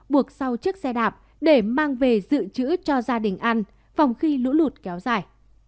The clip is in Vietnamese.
buộc sau chiếc xe đạp để mang về dự trữ cho gia đình ăn phòng khi lũ lụt kéo dài